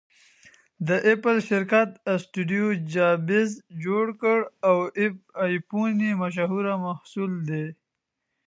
د اپل شرکت اسټیوجابز جوړ کړ٬ او ایفون یې مشهور محصول دی